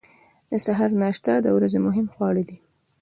د سهار ناشته د ورځې مهم خواړه دي.